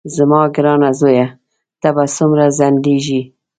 زما ګرانه زویه ته به څومره ځنډېږې.